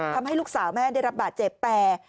ทำให้ลูกสาวแม่ได้รับบาดเจ็บแต่